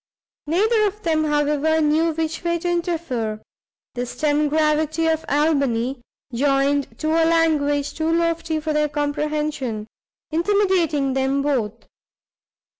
Neither of them, however, knew which way to interfere, the stem gravity of Albany, joined to a language too lofty for their comprehension, intimidating them both.